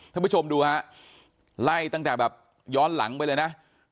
ท่านผู้ชมดูฮะไล่ตั้งแต่แบบย้อนหลังไปเลยนะ